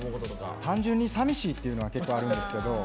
単純に寂しいっていうのが結構、あるんですけど。